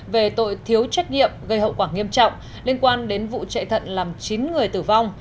về tội thiếu trách nhiệm gây hậu quả nghiêm trọng liên quan đến vụ chạy thận làm chín người tử vong